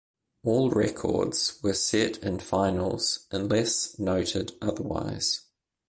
All records were set in finals unless noted otherwise.